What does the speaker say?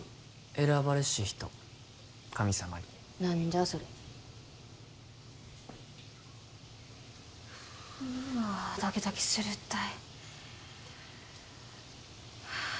選ばれし人神様に何じゃそれうわドキドキするったい